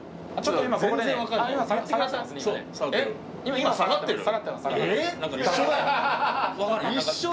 今下がってる？え？